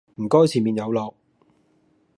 唔該前面有落